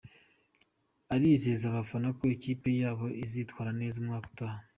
Arizeza abafana ko ikipe yabo izitwara neza umwaka utaha.